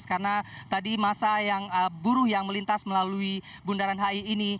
karena tadi masa yang buruh yang melintas melalui bundaran hi ini